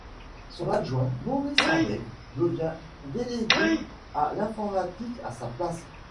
Son adjoint, Maurice Allègre, devient délégué à l'informatique à sa place.